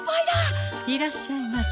いらっしゃいませ。